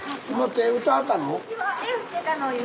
手振ってたの今。